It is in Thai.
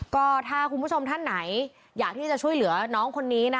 ก็ถ้าคุณผู้ชมท่านไหนอยากที่จะช่วยเหลือน้องคนนี้นะ